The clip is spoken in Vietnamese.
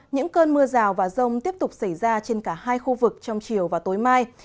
những cơn mưa rào và rông tiếp tục xảy ra trên cả hai khu vực trong chiều và tối mai